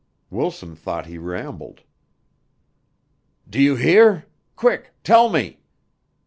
Wilson thought he rambled. "Do you hear? Quick tell me?"